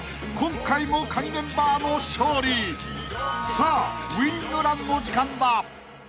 ［さあウイニングランの時間だ］